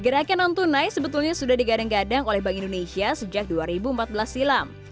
gerakan non tunai sebetulnya sudah digadang gadang oleh bank indonesia sejak dua ribu empat belas silam